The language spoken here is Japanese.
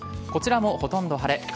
こちらもほとんど晴れ。